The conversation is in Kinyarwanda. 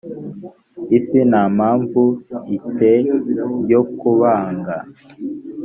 isi nta mpamvu i te yo kubanga